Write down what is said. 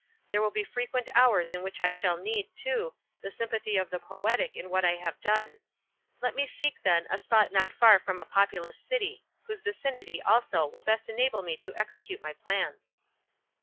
There will be frequent hours in which I shall need, too, the sympathy of the poetic in what I have done. Let me seek, then, a spot not far from a populous city—whose vicinity, also, will best enable me to execute my plans."